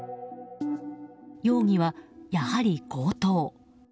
容疑はやはり強盗。